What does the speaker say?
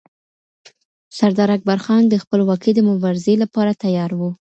سردار اکبرخان د خپلواکۍ د مبارزې لپاره تیار و.